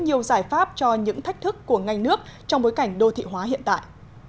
đây là một giải pháp cho những thách thức của ngành nước trong bối cảnh đô thị hóa hiện tại